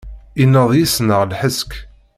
Inneḍ yis-neɣ lḥesk.